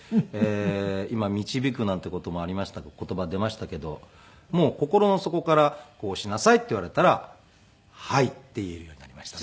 今導くなんていう言葉出ましたけどもう心の底から「こうしなさい」って言われたら「はい」って言えるようになりましたね。